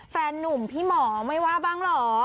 แฟนนุ่มพี่หมอไม่ว่าบ้างเหรอ